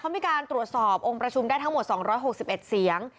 มีการตรวจสอบองค์ประชุมได้ทั้งหมด๒๖๑เสียง